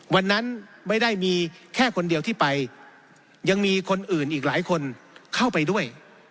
วันนั้นไม่ได้มีแค่คนเดียวที่ไปยังมีคนอื่นอีกหลายคนเข้าไปด้วย